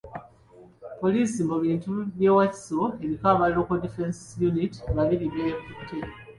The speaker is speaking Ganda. Poliisi mu bitundu by'e Wakiso eriko aba Local Defence Unit babiri b'ekutte.